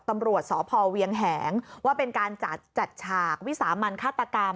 ตำรวจสพเวียงแหงว่าเป็นการจัดฉากวิสามันฆาตกรรม